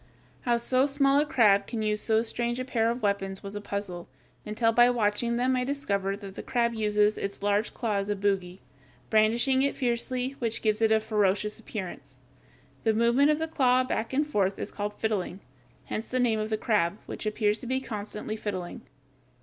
How so small a crab can use so strange a pair of weapons was a puzzle, until by watching them, I discovered that the crab uses its large claw as a bogy, brandishing it fiercely, which gives it a very ferocious appearance. The movement of the claw back and forth is called fiddling, hence the name of the crab, which appears to be constantly fiddling.